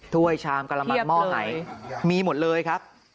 ถ้วยชามกะละมังหม้อหายมีหมดเลยครับ